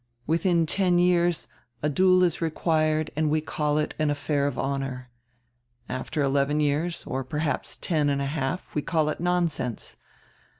Within ten years a duel is required and we call it an affair of honor. After eleven years, or perhaps ten and a half, we call it nonsense.